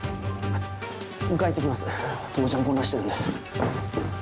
迎えに行って来ます朋美ちゃん混乱してるんで。